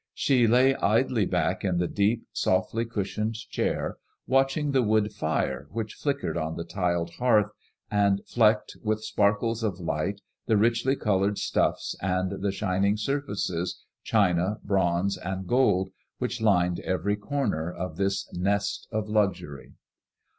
She lay idly back in the deep, softly cushioned chair, watching the wood fire which flickered on the tiled hearth and flecked with sparkles of light the richly M[ADEMOISELLS IXK. 1 83 coloured stuffs and the shining surfaces, china, bronze» and gold which lined every comer of this nest of luxury.